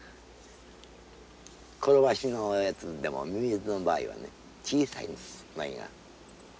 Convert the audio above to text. コロバシのやつでもミミズの場合はね小さいんですウナギが。